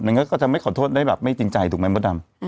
อย่างนั้นก็จะไม่ขอโทษได้แบบไม่จริงใจถูกไหมบ๊ะดำ